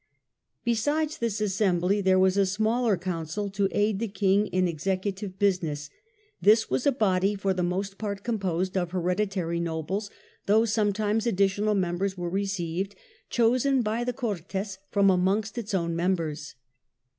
Besides this Assembly, there was a smaller Council to aid the King in executive business : THE SPANISH PENINSULA '243 this was a body, for the most part composed of hereditary nobles, though sometimes additional members were received chosen by the Cortes from amongst its own members.